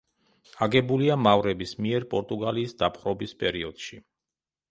აგებულია მავრების მიერ პორტუგალიის დაპყრობის პერიოდში.